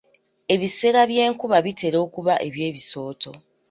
Ebiseera by'enkuba bitera okuba eby'ebisooto.